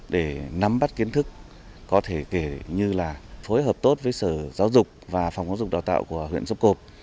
để nắm bắt kiến thức có thể kể như là phối hợp tốt với sở giáo dục và phòng giáo dục đào tạo của huyện xuất cộp